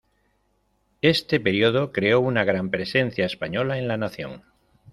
Este período creó una gran presencia española en la nación.